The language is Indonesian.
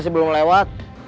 sekarang ray apply semua tabung